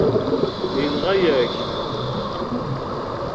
Yenɣa-yak-t.